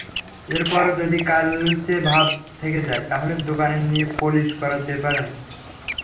এরপরও যদি কালচে ভাব থেকে যায়, তাহলে দোকানে নিয়ে পলিশ করাতে পারেন।